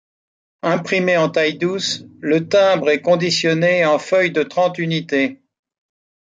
Imprimé en taille-douce, le timbre est conditionné en feuille de trente unités.